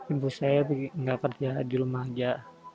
ibu saya tidak kerja di rumah saja